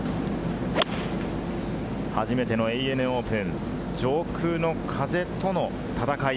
初めてのＡＮＡオープン、上空の風との戦い。